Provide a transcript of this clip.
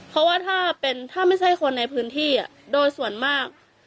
เพราะว่าถ้าไม่ใช่คนในพื้นที่โดยส่วนมาก